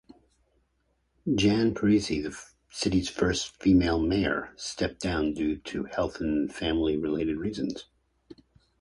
Jan Parisi, the city's first female mayor, stepped down due to health-and family-related reasons.